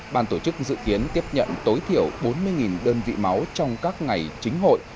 bàn tổ chức dự kiến tiếp nhận tối thiểu bốn mươi đơn vị máu trong các ngày chính hội